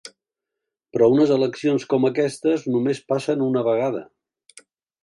Però unes eleccions com aquestes només passen una vegada.